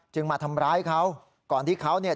มาทำร้ายเขาก่อนที่เขาเนี่ย